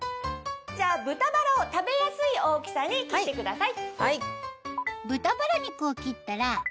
豚バラを食べやすい大きさに切ってください。